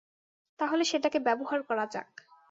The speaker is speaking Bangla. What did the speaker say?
তাহলে সেটাকে ব্যবহার করা যাক।